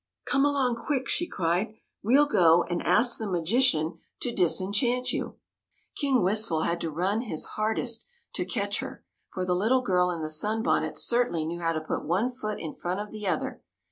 "Come along, quick!'' she cried. "Well go and ask the magician to disenchant you." King Wistful had to run his hardest to catch her, for the little girl in the sunbonnet cer tainly knew how to put one foot in front of the other.